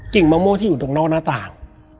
มะม่วงที่อยู่ตรงนอกหน้าต่าง